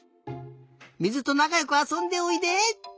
水となかよくあそんでおいで！